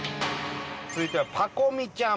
続いてはパコ美ちゃん。